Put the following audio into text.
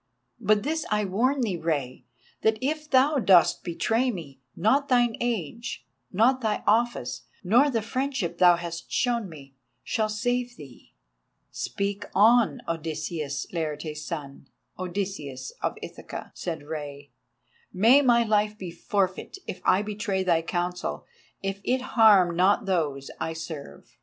But this I warn thee, Rei, that if thou dost betray me, not thine age, not thy office, nor the friendship thou hast shown me, shall save thee." "Speak on, Odysseus, Laertes' son, Odysseus of Ithaca," said Rei; "may my life be forfeit if I betray thy counsel, if it harm not those I serve."